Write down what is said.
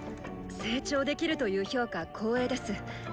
成長できるという評価光栄です。